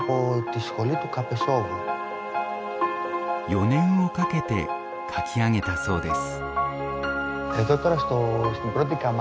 ４年をかけて描き上げたそうです。